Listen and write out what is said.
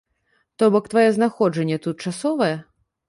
То бок тваё знаходжанне тут часовае?